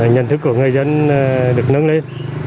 nhân thức của người dân được nâng lên